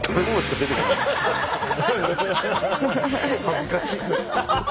恥ずかしい！